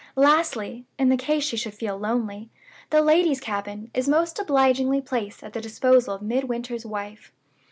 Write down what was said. Lastly (in case she should feel lonely), the ladies' cabin is most obligingly placed at the disposal of Midwinter's wife.